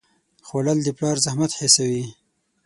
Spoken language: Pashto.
خوړل د پلار زحمت حسوي